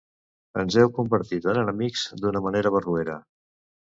Ens heu convertit en enemics d’una manera barroera.